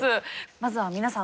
まずは皆さん